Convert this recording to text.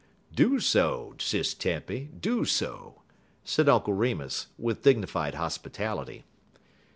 "Do so, Sis Tempy, do so," said Uncle Remus, with dignified hospitality.